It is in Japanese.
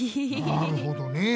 なるほどねえ。